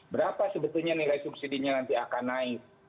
berapa sebetulnya nilai subsidi nya nanti akan naik